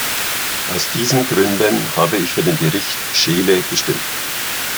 Aus diesen Gründen habe ich für den Bericht Scheele gestimmt.